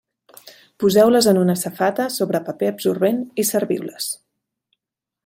Poseu-les en una safata sobre paper absorbent i serviu-les.